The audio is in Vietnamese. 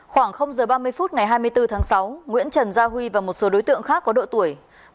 khoảng giờ ba mươi phút ngày hai mươi bốn tháng sáu nguyễn trần gia huy và một số đối tượng khác có độ tuổi